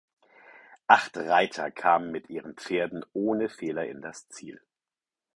Acht Reiter kamen mit ihren Pferden ohne Fehler in das Ziel.